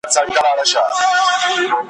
چي ککړي به یې سر کړلې په غرو کي `